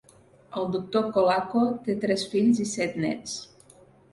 El doctor Colaco té tres fills i set néts.